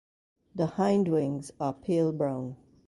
The hindwings are pale brown.